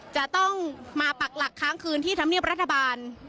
จะต้องมาปักหลักค้างคืนที่ธรรมเนียบรัฐบาล